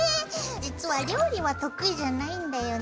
実は料理は得意じゃないんだよね。